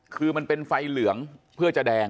คือมันเป็นไฟเหลืองเพื่อจะแดง